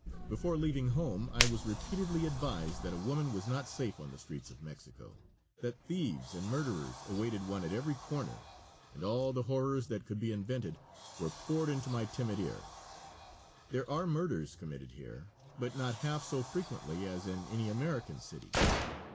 Before leaving home I was repeatedly advised that a woman was not safe on the streets of Mexico; that thieves and murderers awaited one at every corner, and all the horrors that could be invented were poured into my timid ear. There are murders committed here, but not half so frequently as in any American city.